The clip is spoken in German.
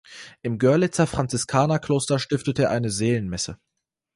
Im Görlitzer Franziskanerkloster stiftete er eine Seelenmesse.